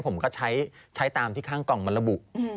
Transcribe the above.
ผมก็ใช้ตามที่ข้างกล่องมันระบุ